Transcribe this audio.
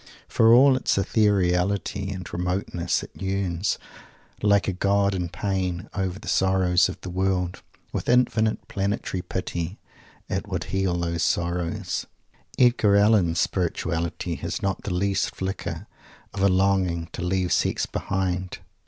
For all its ethereality and remoteness, it yearns, "like a God in pain," over the sorrows of the world. With infinite planetary pity, it would heal those sorrows. Edgar Allen's "spirituality" has not the least flicker of a longing to "leave Sex behind."